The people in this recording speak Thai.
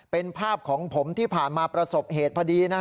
เป็นภาพของผมที่ผ่านมาประสบเหตุพอดีนะฮะ